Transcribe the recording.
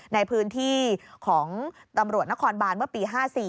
ในพื้นที่ของตำรวจนครบานเมื่อปี๕๔